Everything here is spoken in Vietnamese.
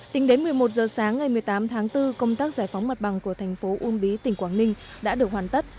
tính đến một mươi một giờ sáng ngày một mươi tám tháng bốn công tác giải phóng mặt bằng của thành phố uông bí tỉnh quảng ninh đã được hoàn tất